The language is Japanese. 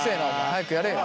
早くやれよ。